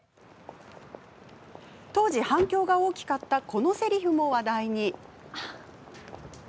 当時、反響が大きかったこのせりふも話題に。